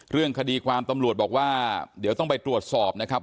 เรื่องคดีความตำรวจบอกว่าเดี๋ยวต้องไปตรวจสอบนะครับ